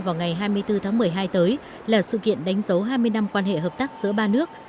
vào ngày hai mươi bốn tháng một mươi hai tới là sự kiện đánh dấu hai mươi năm quan hệ hợp tác giữa ba nước